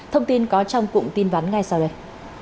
thông tin có trong cụm tin vắn ngay sau đây